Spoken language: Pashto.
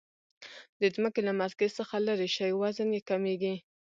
د ځمکې له مرکز څخه لیرې شئ وزن یي کمیږي.